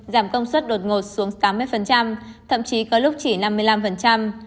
giảm công suất đột ngột xuống tám mươi thậm chí có lúc chỉ năm mươi năm